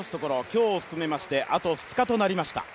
今日を含めましてあと２日となりました。